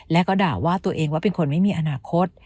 และก็ด่าว่าตัวเองว่าเป็นคนไม่มีอนาคต